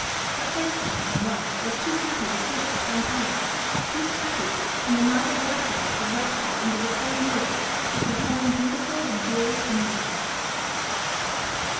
But Thurston, for one, was too happy to sleep for some time; too happy in the novel blessedness of resting under the same roof with his own beautiful and dearest Marian.